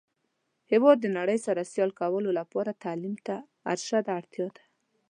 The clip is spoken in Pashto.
هیواد د نړۍ سره سیال کولو لپاره تعلیم ته اشده اړتیا ده.